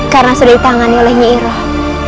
karena sudah ditangani olehnya iroh